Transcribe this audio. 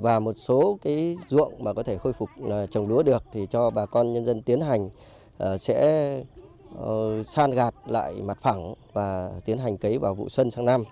và một số ruộng mà có thể khôi phục trồng lúa được thì cho bà con nhân dân tiến hành sẽ san gạt lại mặt phẳng và tiến hành cấy vào vụ xuân sang năm